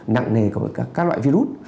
nặng nề của các loại virus